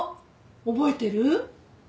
覚えてる？